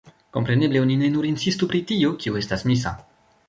Kompreneble, oni ne nur insistu pri tio, kio estas misa.